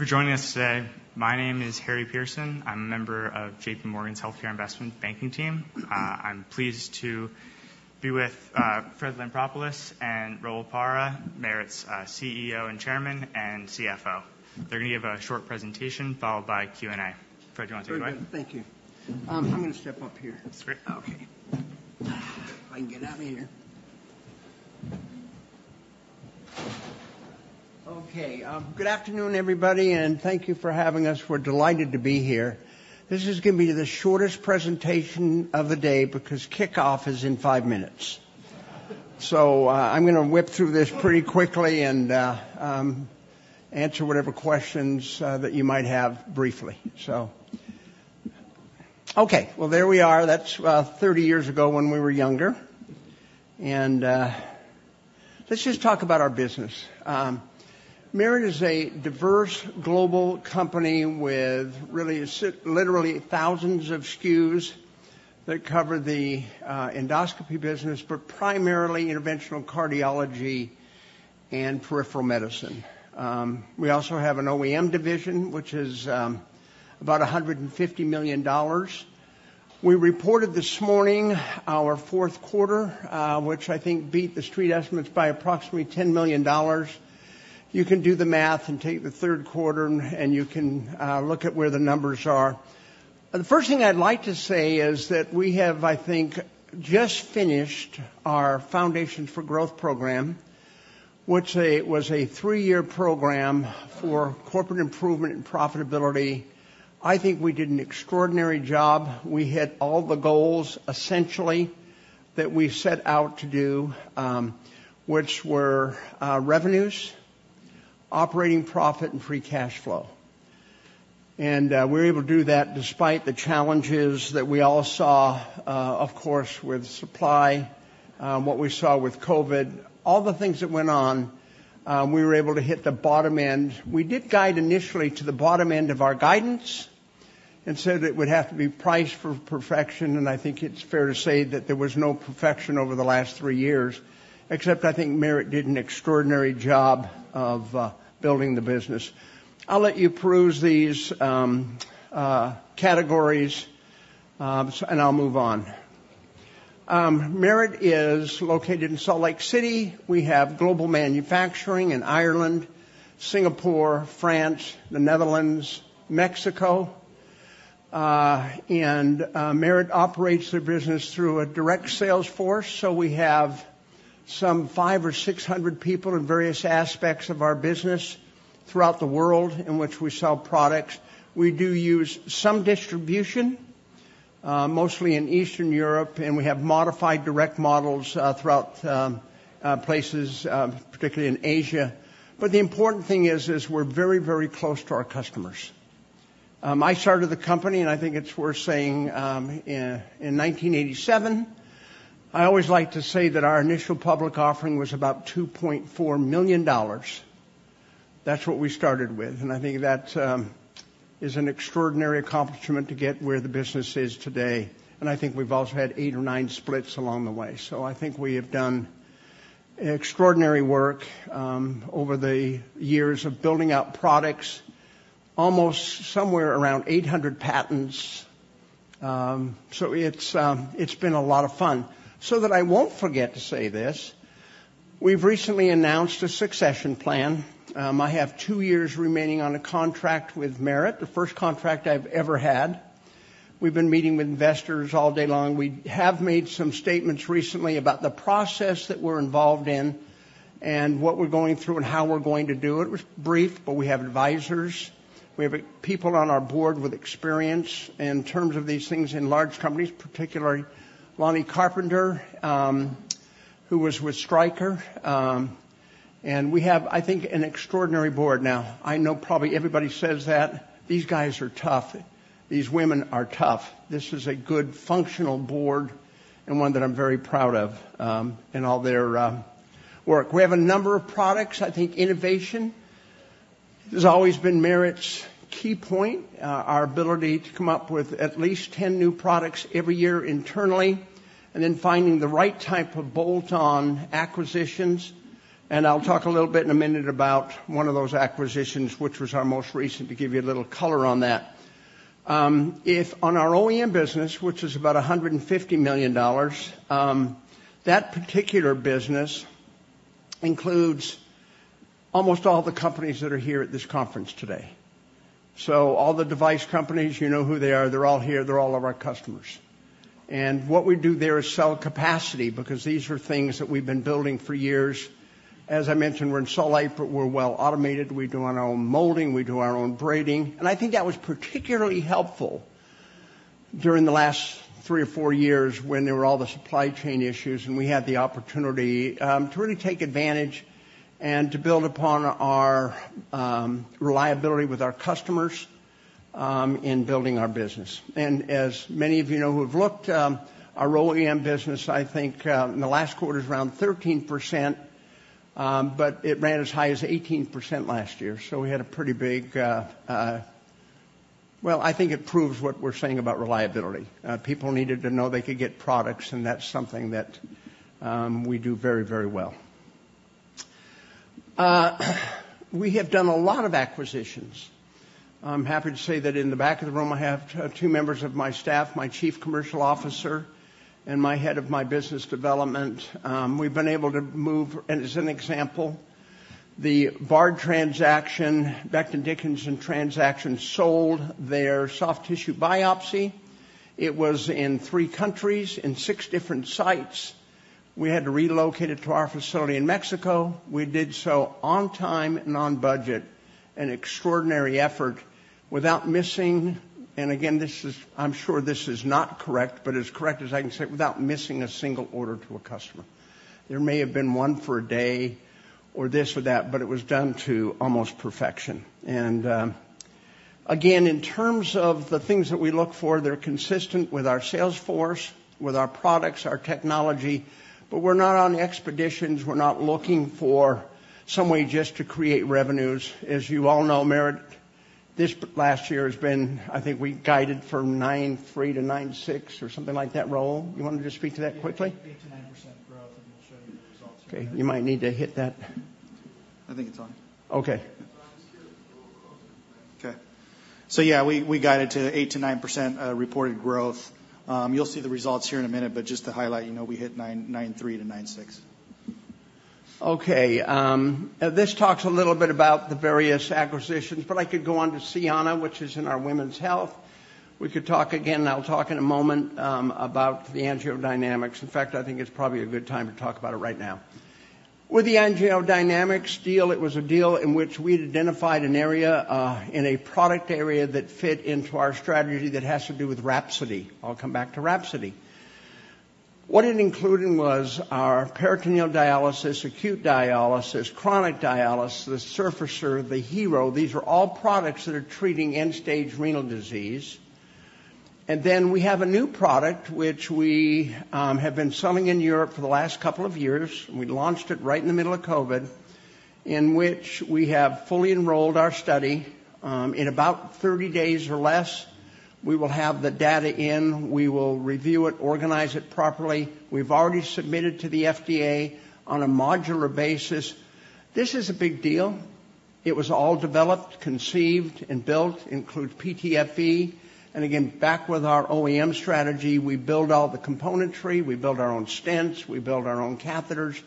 Thank you for joining us today. My name is Harry Pearson. I'm a member of J.P. Morgan's Healthcare Investment Banking team. I'm pleased to be with Fred Lampropoulos and Raul Parra, Merit's CEO and Chairman and CFO. They're going to give a short presentation, followed by Q&A. Fred, do you want to take it away? Thank you. I'm going to step up here. That's great. Okay. If I can get out here. Okay, good afternoon, everybody, and thank you for having us. We're delighted to be here. This is going to be the shortest presentation of the day because kickoff is in five minutes. So, I'm going to whip through this pretty quickly and answer whatever questions that you might have briefly. So... Okay, well, there we are. That's 30 years ago when we were younger, and let's just talk about our business. Merit is a diverse global company with really literally thousands of SKUs that cover the endoscopy business, but primarily interventional cardiology and peripheral medicine. We also have an OEM division, which is about $150 million. We reported this morning our fourth quarter, which I think beat the street estimates by approximately $10 million. You can do the math and take the third quarter, and you can look at where the numbers are. The first thing I'd like to say is that we have, I think, just finished our Foundations for Growth program, which was a three-year program for corporate improvement and profitability. I think we did an extraordinary job. We hit all the goals, essentially, that we set out to do, which were revenues, operating profit, and free cash flow. And we were able to do that despite the challenges that we all saw, of course, with supply, what we saw with COVID. All the things that went on, we were able to hit the bottom end. We did guide initially to the bottom end of our guidance and said it would have to be priced for perfection, and I think it's fair to say that there was no perfection over the last three years, except I think Merit did an extraordinary job of building the business. I'll let you peruse these categories, and I'll move on. Merit is located in Salt Lake City. We have global manufacturing in Ireland, Singapore, France, the Netherlands, Mexico. Merit operates their business through a direct sales force, so we have some 500 or 600 people in various aspects of our business throughout the world, in which we sell products. We do use some distribution, mostly in Eastern Europe, and we have modified direct models, throughout places particularly in Asia. But the important thing is, we're very, very close to our customers. I started the company, and I think it's worth saying, in 1987. I always like to say that our initial public offering was about $2.4 million. That's what we started with, and I think that is an extraordinary accomplishment to get where the business is today, and I think we've also had 8 or 9 splits along the way. So I think we have done extraordinary work over the years of building out products, almost somewhere around 800 patents. So it's been a lot of fun. So that I won't forget to say this, we've recently announced a succession plan. I have 2 years remaining on a contract with Merit, the first contract I've ever had. We've been meeting with investors all day long. We have made some statements recently about the process that we're involved in and what we're going through and how we're going to do it. It was brief, but we have advisors. We have people on our board with experience in terms of these things in large companies, particularly Lonny Carpenter, who was with Stryker. And we have, I think, an extraordinary board. Now, I know probably everybody says that. These guys are tough. These women are tough. This is a good, functional board and one that I'm very proud of, in all their work. We have a number of products. I think innovation has always been Merit's key point. Our ability to come up with at least 10 new products every year internally, and then finding the right type of bolt-on acquisitions. I'll talk a little bit in a minute about one of those acquisitions, which was our most recent, to give you a little color on that. If on our OEM business, which is about $150 million, that particular business includes almost all the companies that are here at this conference today. So all the device companies, you know who they are, they're all here, they're all of our customers. And what we do there is sell capacity because these are things that we've been building for years. As I mentioned, we're in Salt Lake, but we're well automated. We do our own molding, we do our own braiding, and I think that was particularly helpful during the last 3 or 4 years when there were all the supply chain issues, and we had the opportunity, to really take advantage and to build upon our, reliability with our customers, in building our business. And as many of you know, who have looked, our OEM business, I think, in the last quarter is around 13%, but it ran as high as 18% last year. So we had a pretty big. Well, I think it proves what we're saying about reliability. People needed to know they could get products, and that's something that, we do very, very well. We have done a lot of acquisitions. I'm happy to say that in the back of the room, I have two members of my staff, my chief commercial officer and my head of my business development. We've been able to move, and as an example, the Bard transaction, Becton Dickinson transaction, sold their soft tissue biopsy. It was in three countries, in six different sites. We had to relocate it to our facility in Mexico. We did so on time and on budget, an extraordinary effort without missing a single order to a customer. And again, this is. I'm sure this is not correct, but as correct as I can say, without missing a single order to a customer. There may have been one for a day or this or that, but it was done to almost perfection. Again, in terms of the things that we look for, they're consistent with our sales force, with our products, our technology, but we're not on expeditions. We're not looking for some way just to create revenues. As you all know, Merit, this last year has been, I think we guided from $93 million to $96 million or something like that. Raul, you wanted to speak to that quickly? Yeah, 8% to 9% growth, and we'll show you the results. Okay, you might need to hit that. I think it's on. Okay. Just get a little closer. Okay. So yeah, we got it to 8% to 9% reported growth. You'll see the results here in a minute, but just to highlight, you know, we hit 9.93 to 9.6. Okay, this talks a little bit about the various acquisitions, but I could go on to Cianna, which is in our women's health. We could talk again, and I'll talk in a moment, about the AngioDynamics. In fact, I think it's probably a good time to talk about it right now. With the AngioDynamics deal, it was a deal in which we'd identified an area, in a product area that fit into our strategy that has to do with Wrapsody. I'll come back to Wrapsody. What it included was our peritoneal dialysis, acute dialysis, chronic dialysis, Surfacer, the HeRO. These are all products that are treating end-stage renal disease. And then we have a new product, which we, have been selling in Europe for the last couple of years. We launched it right in the middle of COVID, in which we have fully enrolled our study. In about 30 days or less, we will have the data in. We will review it, organize it properly. We've already submitted to the FDA on a modular basis. This is a big deal. It was all developed, conceived, and built, including PTFE. And again, back with our OEM strategy, we build all the componentry, we build our own stents, we build our own catheters,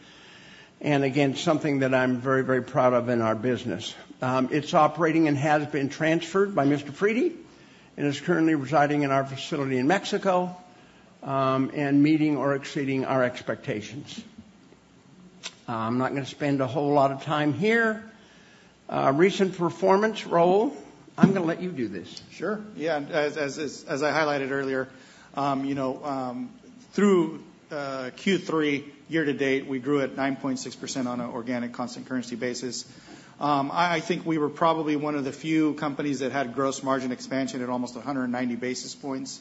and again, something that I'm very, very proud of in our business. It's operating and has been transferred by Mr. Fredi, and is currently residing in our facility in Mexico, and meeting or exceeding our expectations. I'm not gonna spend a whole lot of time here. Recent performance, Raul, I'm gonna let you do this. Sure. Yeah, as I highlighted earlier, you know, through Q3 year to date, we grew at 9.6% on an organic, constant currency basis. I think we were probably one of the few companies that had gross margin expansion at almost 190 basis points.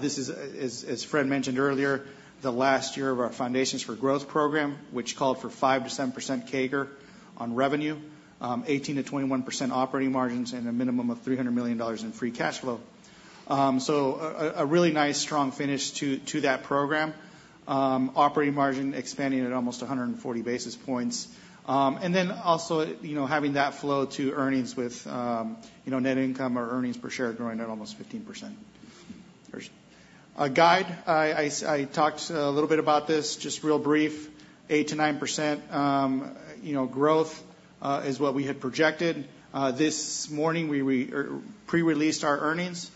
This is, as Fred mentioned earlier, the last year of our Foundations for Growth program, which called for 5% to 7% CAGR on revenue, 18% to 21% operating margins, and a minimum of $300 million in free cash flow. So a really nice, strong finish to that program. Operating margin expanding at almost 140 basis points. And then also, you know, having that flow to earnings with, you know, net income or earnings per share growing at almost 15%. Guidance, I talked a little bit about this, just real brief. 8% to 9%, you know, growth, is what we had projected. This morning, we pre-released our earnings.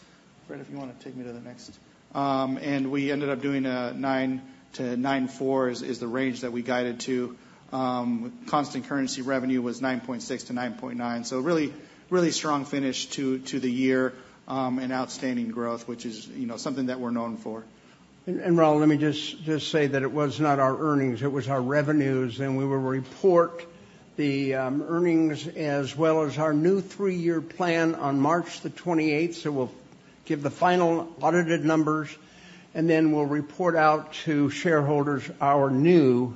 Fred, if you wanna take me to the next. And we ended up doing 9% to 9.4%, the range that we guided to. Constant currency revenue was 9.6% to 9.9%. So really, really strong finish to the year, and outstanding growth, which is, you know, something that we're known for. And Raul, let me just say that it was not our earnings, it was our revenues, and we will report the earnings as well as our new three-year plan on March the twenty-eighth. So we'll give the final audited numbers, and then we'll report out to shareholders our new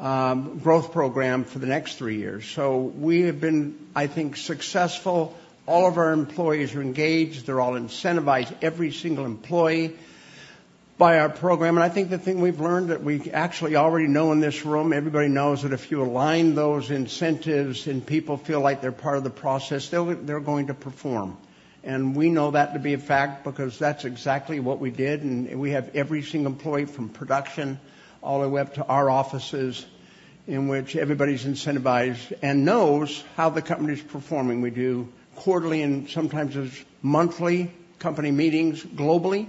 growth program for the next three years. So we have been, I think, successful. All of our employees are engaged. They're all incentivized, every single employee by our program. And I think the thing we've learned that we actually already know in this room, everybody knows that if you align those incentives and people feel like they're part of the process, they'll, they're going to perform. We know that to be a fact because that's exactly what we did, and we have every single employee, from production all the way up to our offices, in which everybody's incentivized and knows how the company's performing. We do quarterly and sometimes monthly company meetings globally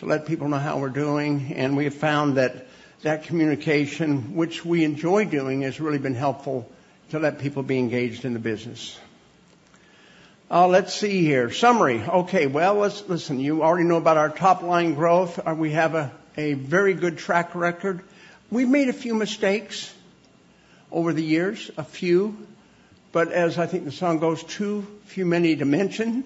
to let people know how we're doing, and we have found that that communication, which we enjoy doing, has really been helpful to let people be engaged in the business. Let's see here. Summary. Okay, well, listen, you already know about our top-line growth, and we have a very good track record. We've made a few mistakes over the years, a few, but as I think the song goes, too few, many to mention.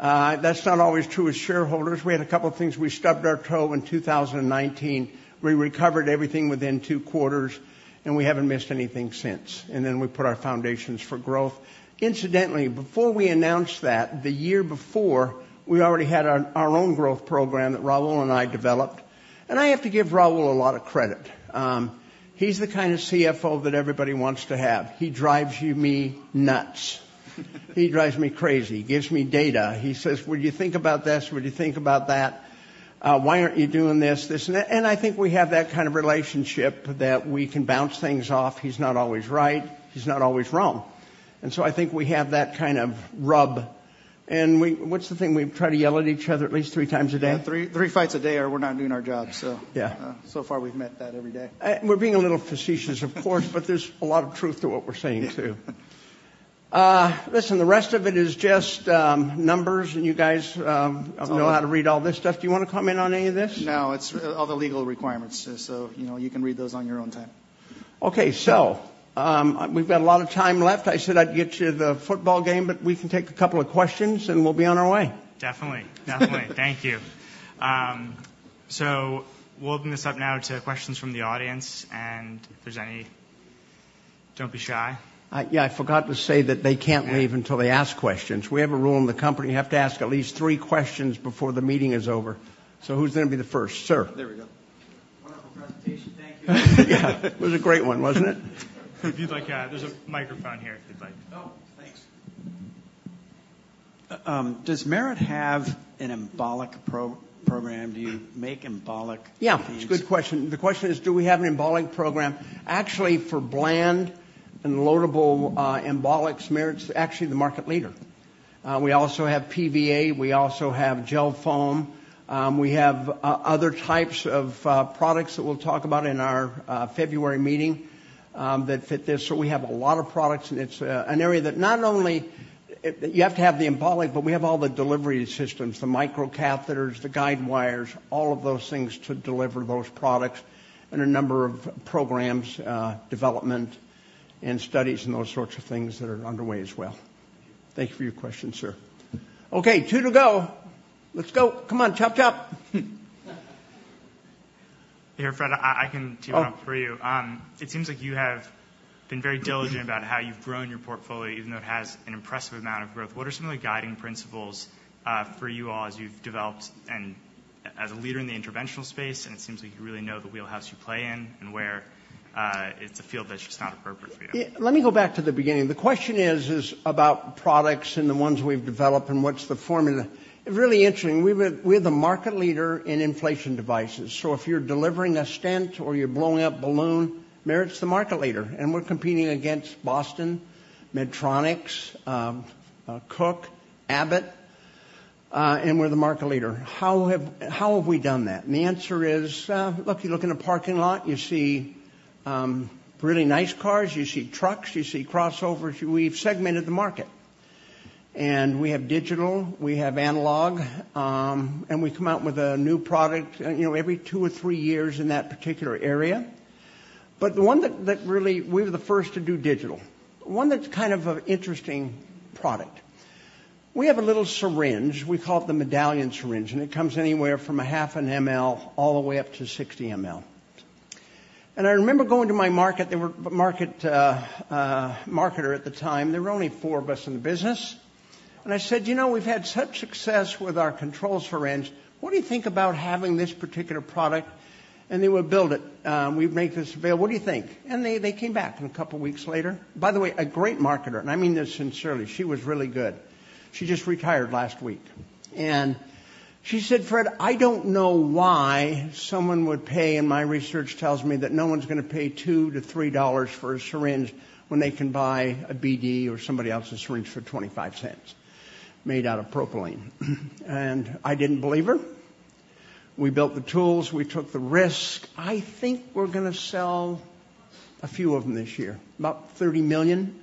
That's not always true with shareholders. We had a couple of things. We stubbed our toe in 2019. We recovered everything within 2 quarters, and we haven't missed anything since. And then we put our Foundations for Growth. Incidentally, before we announced that, the year before, we already had our own growth program that Raul and I developed. And I have to give Raul a lot of credit. He's the kind of CFO that everybody wants to have. He drives me nuts. He drives me crazy. He gives me data. He says, "Would you think about this? Would you think about that? Why aren't you doing this, this, and that?" And I think we have that kind of relationship that we can bounce things off. He's not always right. He's not always wrong. And so I think we have that kind of rub, and we. What's the thing? We try to yell at each other at least 3 times a day. Three, three fights a day, or we're not doing our job, so- Yeah. So far, we've met that every day. We're being a little facetious, of course, but there's a lot of truth to what we're saying, too. Listen, the rest of it is just numbers, and you guys, That's all. know how to read all this stuff. Do you wanna comment on any of this? No. It's all the legal requirements, so, you know, you can read those on your own time. Okay. We've got a lot of time left. I said I'd get you the football game, but we can take a couple of questions, and we'll be on our way. Definitely. Definitely. Thank you. So we'll open this up now to questions from the audience, and if there's any, don't be shy. Yeah, I forgot to say that they can't- Yeah Leave until they ask questions. We have a rule in the company. You have to ask at least three questions before the meeting is over. So who's gonna be the first? Sir. There we go. Wonderful presentation. Thank you. Yeah, it was a great one, wasn't it? If you'd like, there's a microphone here, if you'd like. Oh, thanks. Does Merit have an embolic program? Do you make embolic things? Yeah, it's a good question. The question is, do we have an embolic program? Actually, for bland and loadable, embolics, Merit's actually the market leader. We also have PVA, we also have gel foam, we have other types of, products that we'll talk about in our, February meeting, that fit this. So we have a lot of products, and it's, an area that not only, you have to have the embolic, but we have all the delivery systems, the micro catheters, the guide wires, all of those things to deliver those products, and a number of programs, development and studies, and those sorts of things that are underway as well. Thank you for your question, sir. Okay, two to go. Let's go. Come on, chop, chop. Here, Fred, I can tee one up for you. Oh. It seems like you have been very diligent about how you've grown your portfolio, even though it has an impressive amount of growth. What are some of the guiding principles for you all as you've developed and as a leader in the interventional space, and it seems like you really know the wheelhouse you play in and where it's a field that's just not appropriate for you? Yeah, let me go back to the beginning. The question is, is about products and the ones we've developed and what's the formula. Really interesting. We're the market leader in inflation devices, so if you're delivering a stent or you're blowing up balloon, Merit's the market leader, and we're competing against Boston, Medtronics, Cook, Abbott, and we're the market leader. How have we done that? And the answer is, look, you look in a parking lot, you see really nice cars, you see trucks, you see crossovers. We've segmented the market, and we have digital, we have analog, and we come out with a new product, you know, every two or three years in that particular area. But the one that really... We were the first to do digital. One that's kind of an interesting product. We have a little syringe. We call it the Medallion Syringe, and it comes anywhere from 0.5 ml all the way up to 60 ml. I remember going to my marketer, they were marketer at the time. There were only four of us in the business, and I said: "You know, we've had such success with our control syringe. What do you think about having this particular product?" And they would build it. We'd make this available. "What do you think?" And they came back in a couple of weeks later. By the way, a great marketer, and I mean this sincerely, she was really good. She just retired last week, and she said, "Fred, I don't know why someone would pay, and my research tells me that no one's gonna pay $2 to $3 for a syringe when they can buy a BD or somebody else's syringe for $0.25 made out of propylene." And I didn't believe her. We built the tools. We took the risk. I think we're gonna sell a few of them this year, about 30 million.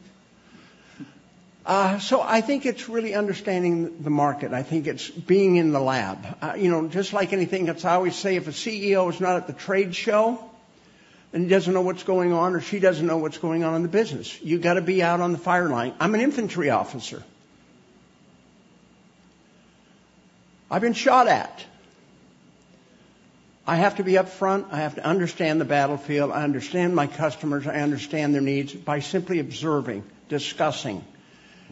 So I think it's really understanding the market, and I think it's being in the lab. You know, just like anything, it's I always say, if a CEO is not at the trade show and he doesn't know what's going on, or she doesn't know what's going on in the business, you've got to be out on the fire line. I'm an infantry officer. I've been shot at. I have to be up front. I have to understand the battlefield. I understand my customers, I understand their needs by simply observing, discussing,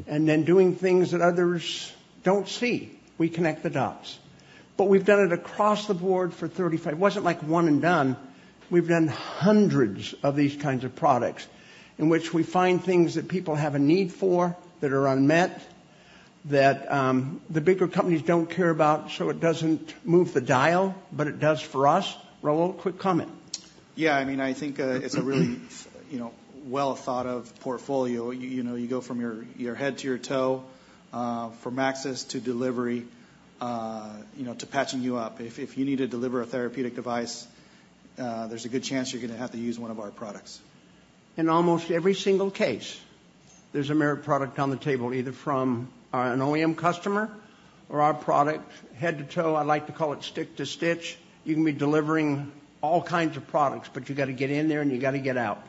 and then doing things that others don't see. We connect the dots. But we've done it across the board for 35... It wasn't like one and done. We've done hundreds of these kinds of products, in which we find things that people have a need for, that are unmet, that, the bigger companies don't care about, so it doesn't move the dial, but it does for us. Raul, quick comment. Yeah, I mean, I think, it's a really, you know, well-thought-of portfolio. You know, you go from your head to your toe, from access to delivery, you know, to patching you up. If you need to deliver a therapeutic device, there's a good chance you're gonna have to use one of our products. In almost every single case, there's a Merit product on the table, either from an OEM customer or our product, head to toe. I like to call it stick to stitch. You can be delivering all kinds of products, but you gotta get in there, and you gotta get out,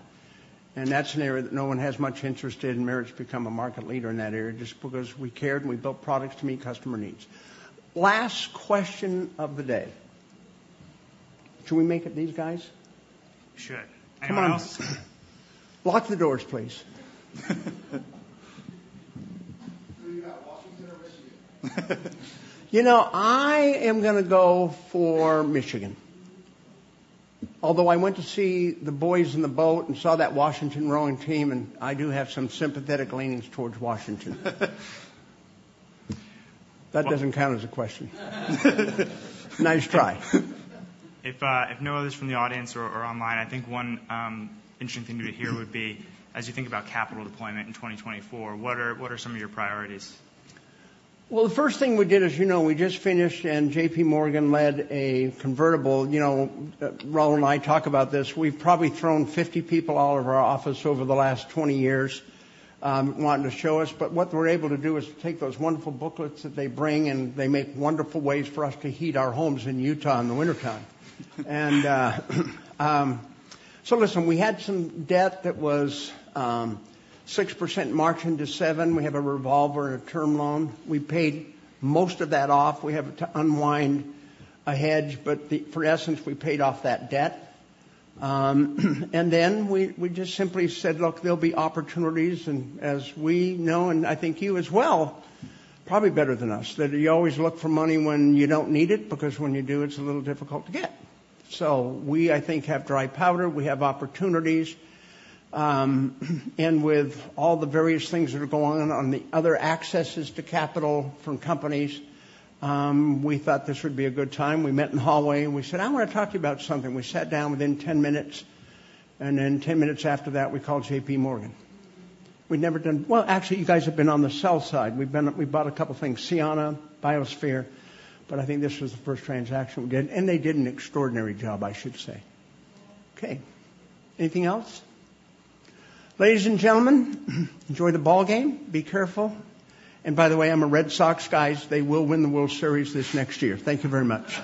and that's an area that no one has much interest in. Merit's become a market leader in that area just because we cared, and we built products to meet customer needs. Last question of the day. Should we make it these guys? We should. Anyone else? Come on. Lock the doors, please.... Who you got, Washington or Michigan? You know, I am going to go for Michigan. Although I went to see the boys in the boat and saw that Washington rowing team, and I do have some sympathetic leanings towards Washington. That doesn't count as a question. Nice try. If no others from the audience or online, I think one interesting thing to hear would be, as you think about capital deployment in 2024, what are some of your priorities? Well, the first thing we did, as you know, we just finished, and J.P. Morgan led a convertible. You know, Raul and I talk about this. We've probably thrown 50 people out of our office over the last 20 years, wanting to show us. But what we're able to do is take those wonderful booklets that they bring, and they make wonderful ways for us to heat our homes in Utah in the wintertime. And, so listen, we had some debt that was, six percent margin to seven. We have a revolver and a term loan. We paid most of that off. We have to unwind a hedge, but the, in essence, we paid off that debt. And then we just simply said: Look, there'll be opportunities and as we know, and I think you as well, probably better than us, that you always look for money when you don't need it, because when you do, it's a little difficult to get it. So we, I think, have dry powder. We have opportunities, and with all the various things that are going on on the other accesses to capital from companies, we thought this would be a good time. We met in the hallway, and we said: "I want to talk to you about something." We sat down within 10 minutes, and then 10 minutes after that, we called J.P. Morgan. We'd never done... Well, actually, you guys have been on the sell side. We've bought a couple of things, Cianna, BioSphere, but I think this was the first transaction we did, and they did an extraordinary job, I should say. Okay, anything else? Ladies and gentlemen, enjoy the ballgame. Be careful. And by the way, I'm a Red Sox guy. They will win the World Series this next year. Thank you very much.